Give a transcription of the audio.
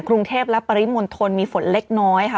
กรุงเทพและปริมณฑลมีฝนเล็กน้อยค่ะ